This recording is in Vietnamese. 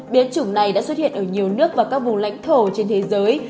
biến chủng này đã xuất hiện ở nhiều nước và các vùng lãnh thổ trên thế giới